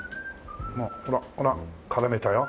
ほらほらっ絡めたよ。